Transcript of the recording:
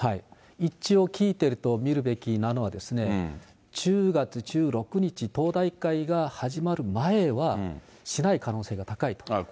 一応きいてると見るべきなのは、１０月１６日、党大会が始まる前は、しない可能性が高いと。